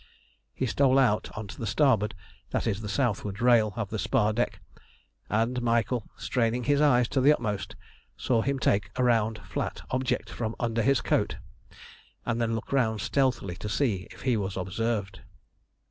He stole out on the starboard, that is the southward, rail of the spar deck, and Michael, straining his eyes to the utmost, saw him take a round flat object from under his coat, and then look round stealthily to see if he was observed.